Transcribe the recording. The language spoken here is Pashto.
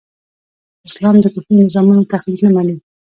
اسلام د کفري نظامونو تقليد نه مني.